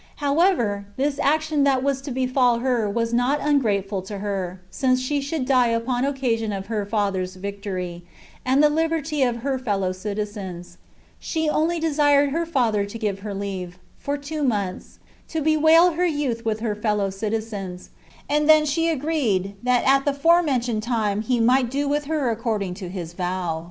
However, this action that was to befall her was not ungrateful to her, since she should die upon occasion of her father's victory, and the liberty of her fellow citizens: she only desired her father to give her leave, for two months, to bewail her youth with her fellow citizens; and then she agreed, that at the forementioned time he might do with her according to his vow.